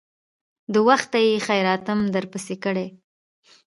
د وخته يې خيراتم درپسې کړى.